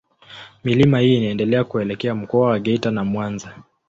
Milima hii inaendelea kuelekea Mkoa wa Geita na Mwanza.